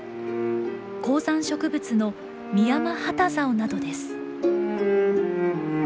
高山植物のミヤマハタザオなどです。